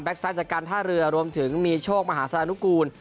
ไซต์จากการท่าเรือรวมถึงมีโชคมหาสารนุกูล